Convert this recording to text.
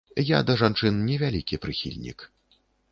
Я да жанчын невялікі прыхільнік.